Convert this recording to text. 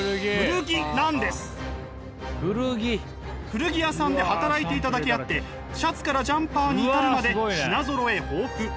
古着屋さんで働いていただけあってシャツからジャンパーに至るまで品ぞろえ豊富。